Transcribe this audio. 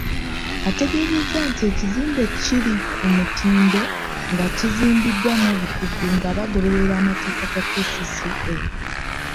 Ategeezezza nti ekizimbe kiri ku mutindo nga kizimbiddwa n'obukugu nga bagoberera amateeka ga KCCA.